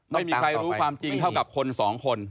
ไม่มีใครรู้ความจริงเท่ากับคนสองคน